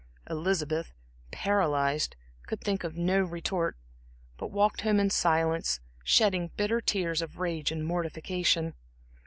Elizabeth, paralyzed, could think of no retort, but walked home in silence, shedding bitter tears of rage and mortification.